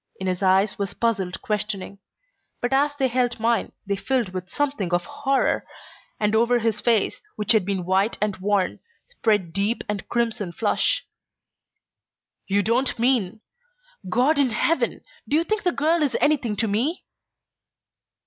In his eyes was puzzled questioning, but as they held mine they filled with something of horror, and over his face, which had been white and worn, spread deep and crimson flush. "You don't mean God in heaven! Do you think the girl is anything to me?"